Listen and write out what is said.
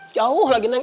jauh lagi neng